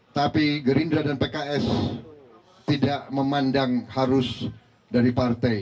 tapi gerindra dan pks tidak memandang harus dari partai